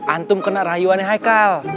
antum kena rayuan haikal